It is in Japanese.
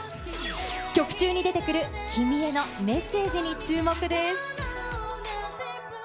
曲中に出てくる、君へのメッセージに注目です。